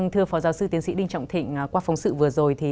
thưa phó giáo sư tiến sĩ đinh trọng thịnh qua phóng sự vừa rồi